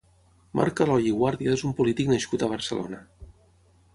Marc Aloy i Guàrdia és un polític nascut a Barcelona.